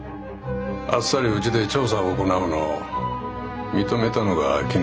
あっさりうちで調査を行うのを認めたのが気になるな。